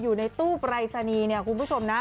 อยู่ในตู้ไพรสนีคุณผู้ชมนะ